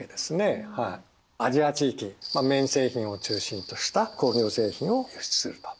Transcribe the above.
アジア地域綿製品を中心とした工業製品を輸出すると。